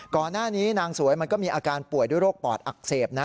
ก่อนหน้านี้นางสวยมันก็มีอาการป่วยด้วยโรคปอดอักเสบนะ